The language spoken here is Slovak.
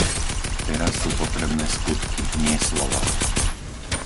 Teraz sú potrebné skutky, nie slová.